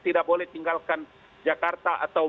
tidak boleh tinggalkan jakarta atau